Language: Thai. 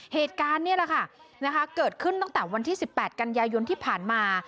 เหตุการณ์นี่แหละค่ะเกิดขึ้นตั้งแต่วันที่๑๘กันยายนที่ผ่านมา